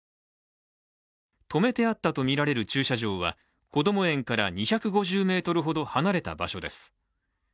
止めてあったとみられる駐車場はこども園から２５０ｍほど離れた場所です。